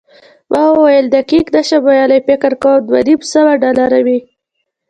ما وویل، دقیق نه شم ویلای، فکر کوم دوه نیم سوه ډالره وي.